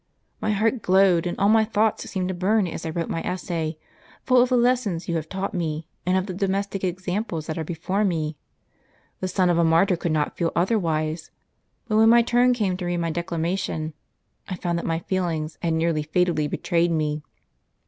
My heart glowed, and all my thoughts seemed to burn, as I wrote my essay, full of the lessons you have taught me, and of the domestic examples that are before me. The son of a martyr could not feel otherwise. But when my turn came to read my declamation, I found that my feelings had nearly fatally betrayed me.